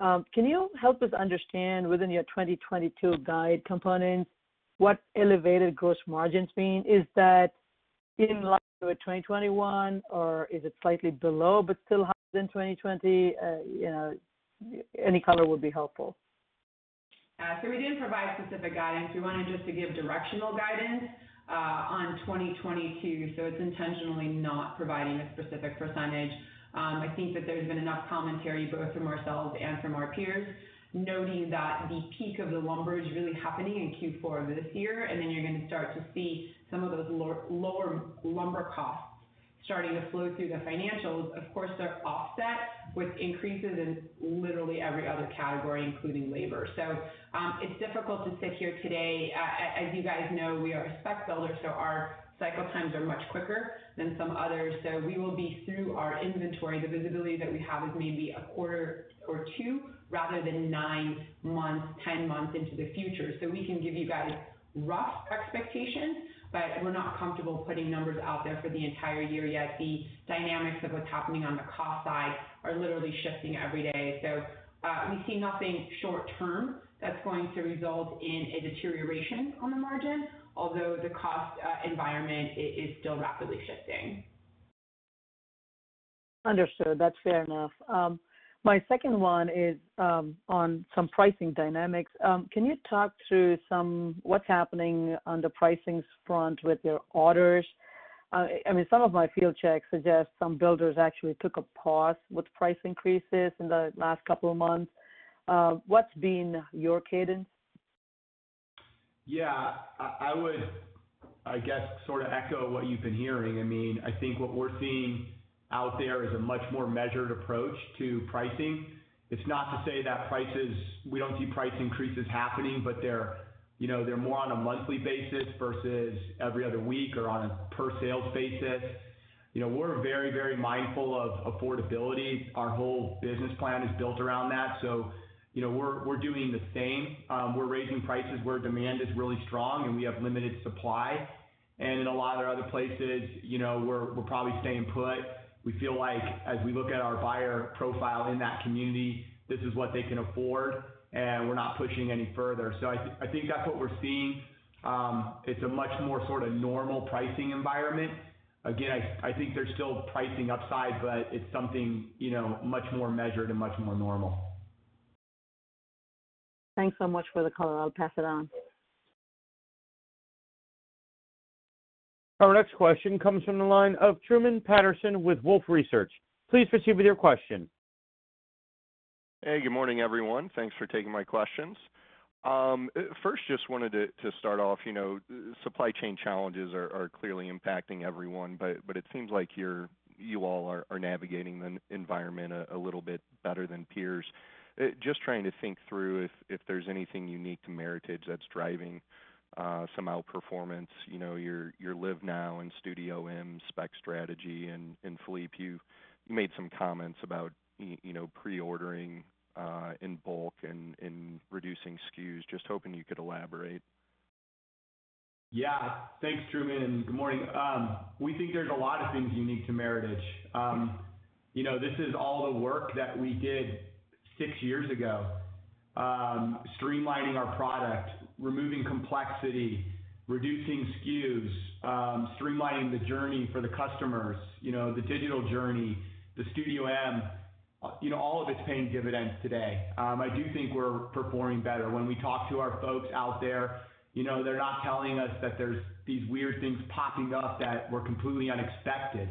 Can you help us understand within your 2022 guidance components what elevated gross margins mean? Is that in line with 2021 or is it slightly below but still higher than 2020? You know, any color would be helpful. We didn't provide specific guidance. We wanted just to give directional guidance on 2022, so it's intentionally not providing a specific percentage. I think that there's been enough commentary both from ourselves and from our peers noting that the peak of the lumber is really happening in Q4 of this year, and then you're gonna start to see some of those lower lumber costs starting to flow through the financials. Of course, they're offset with increases in literally every other category, including labor. It's difficult to sit here today. As you guys know, we are a spec builder, so our cycle times are much quicker than some others. We will be through our inventory. The visibility that we have is maybe a quarter or two rather than nine months, 10 months into the future. We can give you guys rough expectations, but we're not comfortable putting numbers out there for the entire year yet. The dynamics of what's happening on the cost side are literally shifting every day. We see nothing short term that's going to result in a deterioration on the margin, although the cost environment is still rapidly shifting. Understood. That's fair enough. My second one is on some pricing dynamics. Can you talk through what's happening on the pricing front with your orders? I mean, some of my field checks suggest some builders actually took a pause with price increases in the last couple of months. What's been your cadence? Yeah, I would, I guess, sort of echo what you've been hearing. I mean, I think what we're seeing out there is a much more measured approach to pricing. It's not to say that prices, we don't see price increases happening, but they're, you know, they're more on a monthly basis versus every other week or on a per sale basis. You know, we're very, very mindful of affordability. Our whole business plan is built around that. So, you know, we're doing the same. We're raising prices where demand is really strong and we have limited supply. In a lot of other places, you know, we're probably staying put. We feel like as we look at our buyer profile in that community, this is what they can afford and we're not pushing any further. I think that's what we're seeing. It's a much more sort of normal pricing environment. Again, I think there's still pricing upside, but it's something, you know, much more measured and much more normal. Thanks so much for the color. I'll pass it on. Our next question comes from the line of Truman Patterson with Wolfe Research. Please proceed with your question. Hey, good morning, everyone. Thanks for taking my questions. First, just wanted to start off, you know, supply chain challenges are clearly impacting everyone, but it seems like you all are navigating the environment a little bit better than peers. Just trying to think through if there's anything unique to Meritage that's driving some outperformance. You know, your LiVE.NOW. and Studio M spec strategy. Philippe, you made some comments about, you know, pre-ordering in bulk and reducing SKUs. Just hoping you could elaborate. Yeah. Thanks, Truman, and good morning. We think there's a lot of things unique to Meritage. You know, this is all the work that we did six years ago, streamlining our product, removing complexity, reducing SKUs, streamlining the journey for the customers, you know, the digital journey, the Studio M, you know, all of it's paying dividends today. I do think we're performing better. When we talk to our folks out there, you know, they're not telling us that there's these weird things popping up that were completely unexpected.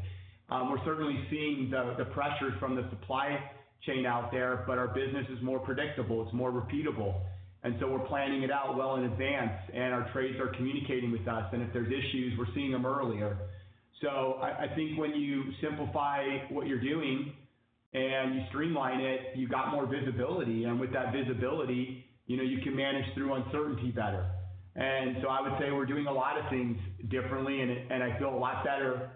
We're certainly seeing the pressures from the supply chain out there, but our business is more predictable, it's more repeatable, and so we're planning it out well in advance, and our trades are communicating with us, and if there's issues, we're seeing them earlier. I think when you simplify what you're doing and you streamline it, you got more visibility, and with that visibility, you know, you can manage through uncertainty better. I would say we're doing a lot of things differently, and I feel a lot better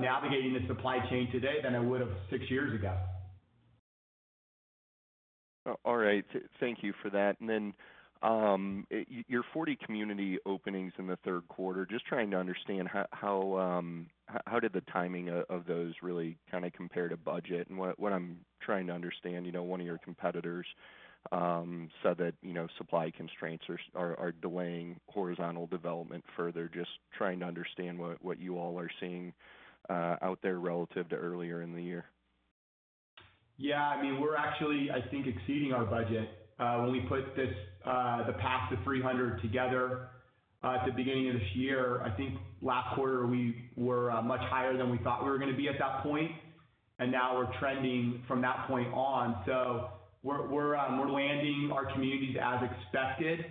navigating the supply chain today than I would have six years ago. All right. Thank you for that. Your 40 community openings in the third quarter, just trying to understand how the timing of those really kind of compare to budget? What I'm trying to understand, you know, one of your competitors said that, you know, supply constraints are delaying horizontal development further. Just trying to understand what you all are seeing out there relative to earlier in the year. Yeah, I mean, we're actually, I think, exceeding our budget. When we put this, the path to 300 together, at the beginning of this year, I think last quarter we were much higher than we thought we were gonna be at that point, and now we're trending from that point on. We're landing our communities as expected.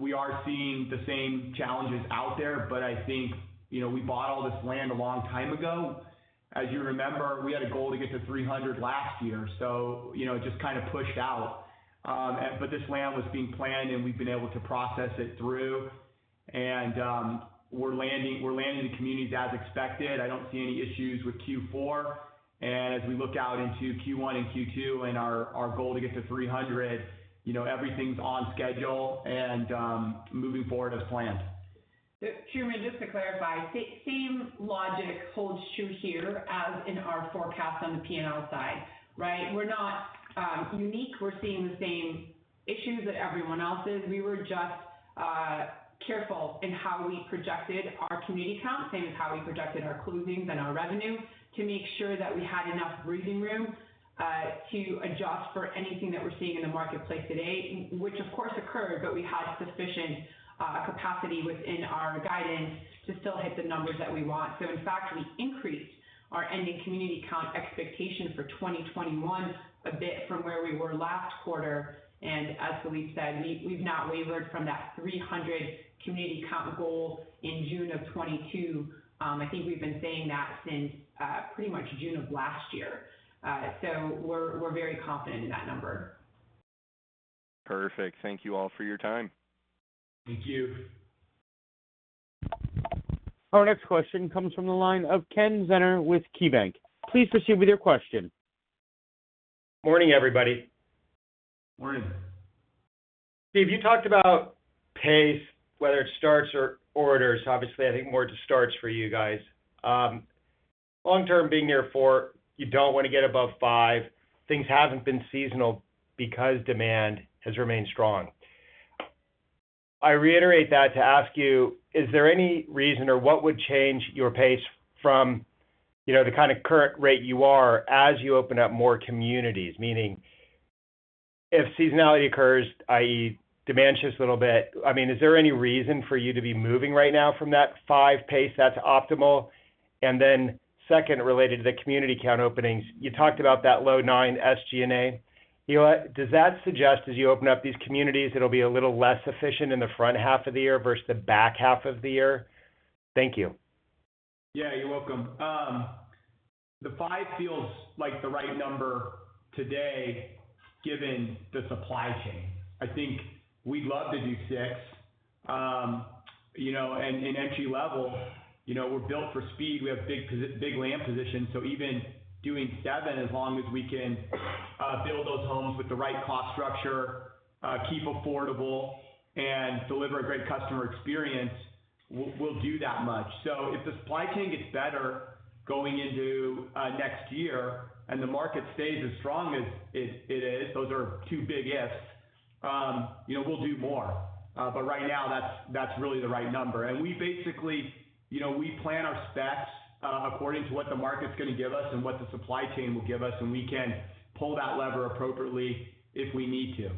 We are seeing the same challenges out there, but I think, you know, we bought all this land a long time ago. As you remember, we had a goal to get to 300 last year, so you know, it just kind of pushed out. This land was being planned, and we've been able to process it through. We're landing the communities as expected. I don't see any issues with Q4. As we look out into Q1 and Q2 and our goal to get to 300, you know, everything's on schedule and moving forward as planned. Truman, just to clarify, same logic holds true here as in our forecast on the P&L side, right? We're not unique. We're seeing the same issues that everyone else is. We were just careful in how we projected our community count, same as how we projected our closings and our revenue to make sure that we had enough breathing room to adjust for anything that we're seeing in the marketplace today, which of course occurred, but we had sufficient capacity within our guidance to still hit the numbers that we want. In fact, we increased our ending community count expectation for 2021 a bit from where we were last quarter. As Philippe said, we've not wavered from that 300 community count goal in June of 2022. I think we've been saying that since pretty much June of last year. We're very confident in that number. Perfect. Thank you all for your time. Thank you. Our next question comes from the line of Ken Zenner with KeyBanc. Please proceed with your question. Morning, everybody. Morning. Steve, you talked about pace, whether it starts or orders, obviously, I think more to starts for you guys. Long term being near four, you don't want to get above five. Things haven't been seasonal because demand has remained strong. I reiterate that to ask you, is there any reason or what would change your pace from, you know, the kind of current rate you are as you open up more communities? Meaning if seasonality occurs, i.e., demand shifts a little bit. I mean, is there any reason for you to be moving right now from that five pace that's optimal? Second, related to the community count openings, you talked about that low 9% SG&A. Hilla, does that suggest as you open up these communities, it'll be a little less efficient in the front half of the year versus the back half of the year? Thank you. Yeah, you're welcome. The five feels like the right number today, given the supply chain. I think we'd love to do six, you know, and in entry-level, you know, we're built for speed. We have big land positions. So even doing seven, as long as we can build those homes with the right cost structure, keep affordable and deliver a great customer experience, we'll do that much. So if the supply chain gets better going into next year and the market stays as strong as it is, those are two big ifs, you know, we'll do more. But right now, that's really the right number. We basically, you know, we plan our specs according to what the market's going to give us and what the supply chain will give us, and we can pull that lever appropriately if we need to.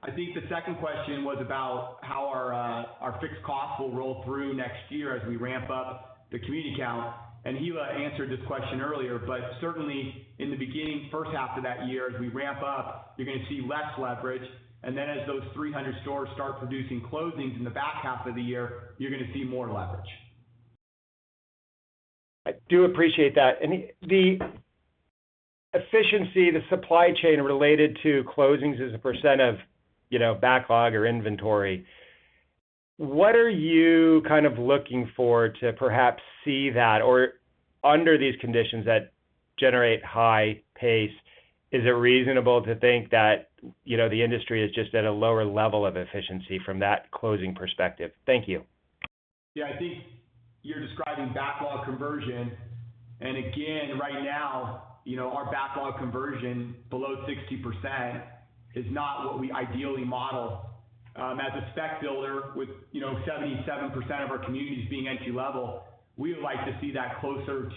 I think the second question was about how our fixed costs will roll through next year as we ramp up the community count. Hilla answered this question earlier, but certainly in the beginning, first half of that year, as we ramp up, you're going to see less leverage. Then as those 300 communities start producing closings in the back half of the year, you're going to see more leverage. I do appreciate that. The efficiency, the supply chain related to closings as a percent of, you know, backlog or inventory, what are you kind of looking for to perhaps see that? Or under these conditions that generate high pace, is it reasonable to think that, you know, the industry is just at a lower level of efficiency from that closing perspective? Thank you. Yeah, I think you're describing backlog conversion. Again, right now, you know, our backlog conversion below 60% is not what we ideally model. As a spec builder with, you know, 77% of our communities being entry-level, we would like to see that closer to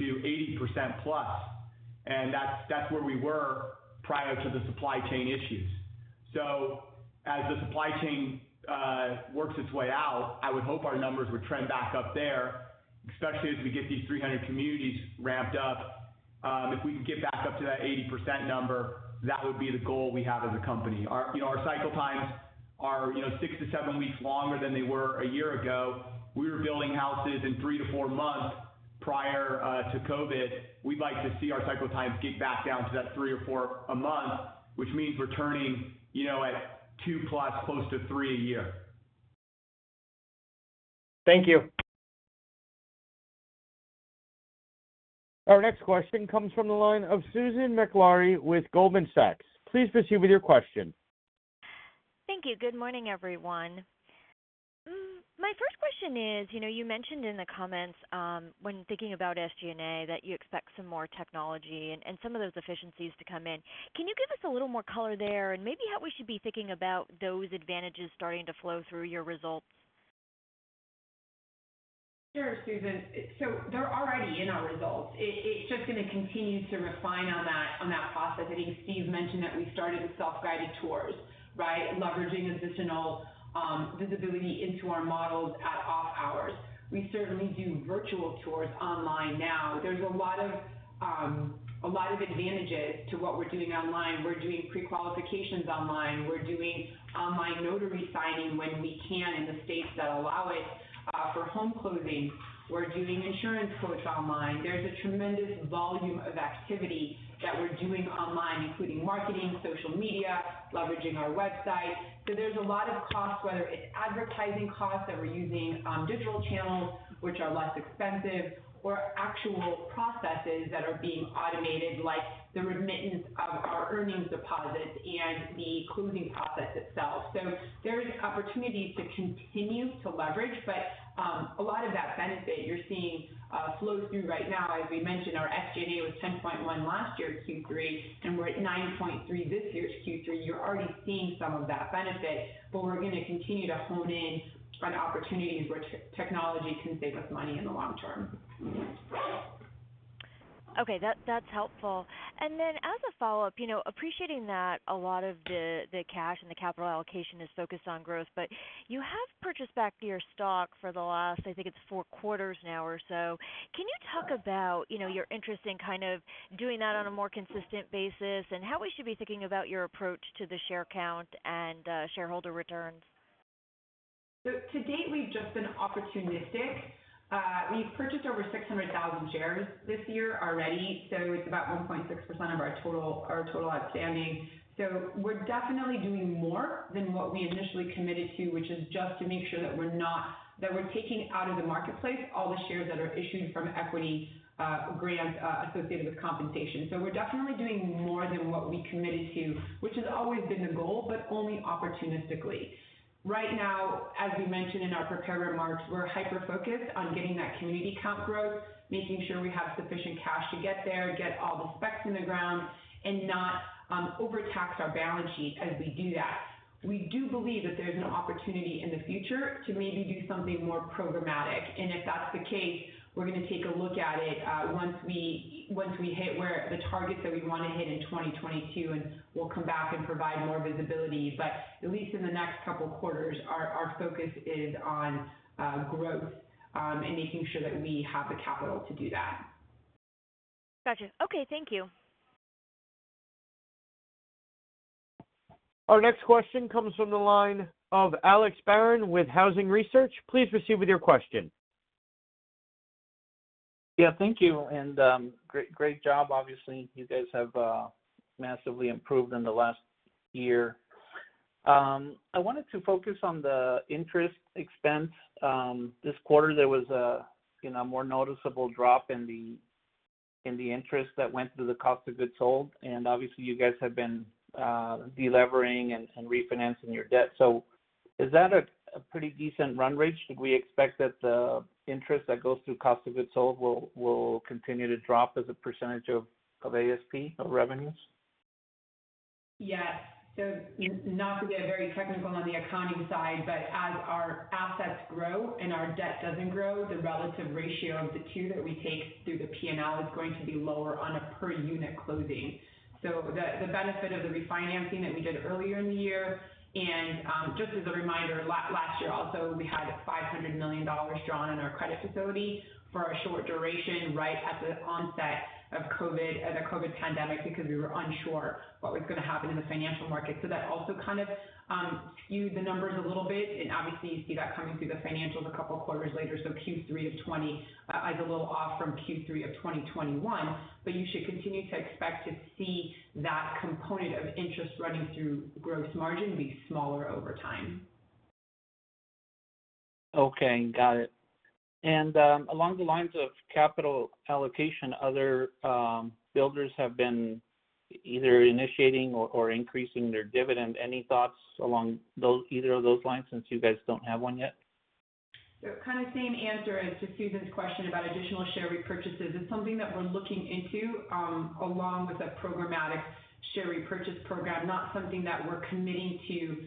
80% plus. That's where we were prior to the supply chain issues. As the supply chain works its way out, I would hope our numbers would trend back up there, especially as we get these 300 communities ramped up. If we can get back up to that 80% number, that would be the goal we have as a company. You know, our cycle times are, you know, six weeks-seven weeks longer than they were a year ago. We were building houses in three months-four months prior to COVID. We'd like to see our cycle times get back down to that three or four a month, which means we're turning, you know, at two plus, close to three a year. Thank you. Our next question comes from the line of Susan Maklari with Goldman Sachs. Please proceed with your question. Thank you. Good morning, everyone. My first question is, you know, you mentioned in the comments, when thinking about SG&A that you expect some more technology and some of those efficiencies to come in. Can you give us a little more color there and maybe how we should be thinking about those advantages starting to flow through your results? Sure, Susan. They're already in our results. It's just going to continue to refine on that process. I think Steve mentioned that we started with self-guided tours, right, leveraging additional visibility into our models at off hours. We certainly do virtual tours online now. There's a lot of advantages to what we're doing online. We're doing pre-qualifications online. We're doing online notary signing when we can in the states that allow it for home closings. We're doing insurance quotes online. There's a tremendous volume of activity that we're doing online, including marketing, social media, leveraging our website. There's a lot of costs, whether it's advertising costs that we're using digital channels, which are less expensive, or actual processes that are being automated, like the remittance of our earnest deposits and the closing process itself. There is opportunity to continue to leverage, but a lot of that benefit you're seeing flow through right now. As we mentioned, our SG&A was 10.1% last year Q3, and we're at 9.3% this year's Q3. You're already seeing some of that benefit, but we're going to continue to hone in on opportunities where technology can save us money in the long term. Okay, that's helpful. As a follow-up, you know, appreciating that a lot of the cash and the capital allocation is focused on growth, but you have purchased back your stock for the last, I think it's four quarters now or so. Can you talk about, you know, your interest in kind of doing that on a more consistent basis and how we should be thinking about your approach to the share count and shareholder returns? To date, we've just been opportunistic. We've purchased over 600,000 shares this year already, so it's about 1.6% of our total outstanding. We're definitely doing more than what we initially committed to, which is just to make sure that we're taking out of the marketplace all the shares that are issued from equity grants associated with compensation. We're definitely doing more than what we committed to, which has always been the goal, but only opportunistically. Right now, as we mentioned in our prepared remarks, we're hyper-focused on getting that community count growth, making sure we have sufficient cash to get there, get all the specs in the ground, and not overtax our balance sheet as we do that. We do believe that there's an opportunity in the future to maybe do something more programmatic. If that's the case, we're gonna take a look at it once we hit the targets that we wanna hit in 2022, and we'll come back and provide more visibility. At least in the next couple of quarters, our focus is on growth and making sure that we have the capital to do that. Gotcha. Okay. Thank you. Our next question comes from the line of Alex Barron with Housing Research. Please proceed with your question. Yeah, thank you and great job. Obviously, you guys have massively improved in the last year. I wanted to focus on the interest expense. This quarter, there was a more noticeable drop in the interest that went through the cost of goods sold. Obviously, you guys have been delevering and refinancing your debt. Is that a pretty decent run rate? Should we expect that the interest that goes through cost of goods sold will continue to drop as a percentage of ASP or revenues? Yes. Not to get very technical on the accounting side, but as our assets grow and our debt doesn't grow, the relative ratio of the two that we take through the P&L is going to be lower on a per-unit closing. The benefit of the refinancing that we did earlier in the year, and just as a reminder, last year also, we had $500 million drawn in our credit facility for a short duration right at the onset of the COVID pandemic because we were unsure what was gonna happen in the financial market. That also kind of skewed the numbers a little bit. Obviously, you see that coming through the financials a couple of quarters later. Q3 of 2020 is a little off from Q3 of 2021. You should continue to expect to see that component of interest running through gross margin be smaller over time. Okay, got it. Along the lines of capital allocation, other builders have been either initiating or increasing their dividend. Any thoughts along those, either of those lines since you guys don't have one yet? Kind of same answer as to Susan's question about additional share repurchases. It's something that we're looking into, along with a programmatic share repurchase program, not something that we're committing to,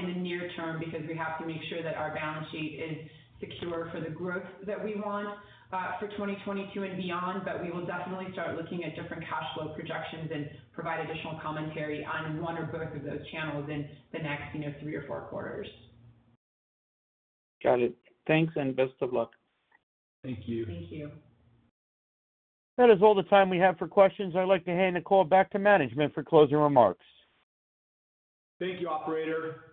in the near term because we have to make sure that our balance sheet is secure for the growth that we want, for 2022 and beyond. But we will definitely start looking at different cash flow projections and provide additional commentary on one or both of those channels in the next, you know, three or four quarters. Got it. Thanks, and best of luck. Thank you. Thank you. That is all the time we have for questions. I'd like to hand the call back to management for closing remarks. Thank you, operator.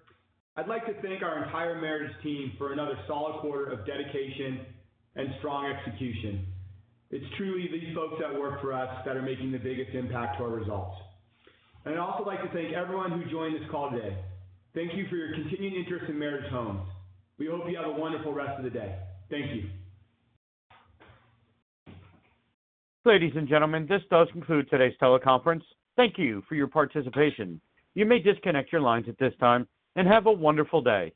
I'd like to thank our entire Meritage team for another solid quarter of dedication and strong execution. It's truly these folks that work for us that are making the biggest impact to our results. I'd also like to thank everyone who joined this call today. Thank you for your continuing interest in Meritage Homes. We hope you have a wonderful rest of the day. Thank you. Ladies and gentlemen, this does conclude today's teleconference. Thank you for your participation. You may disconnect your lines at this time, and have a wonderful day.